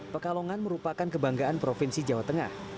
pekalongan merupakan kebanggaan provinsi jawa tengah